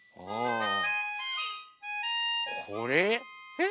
えっ？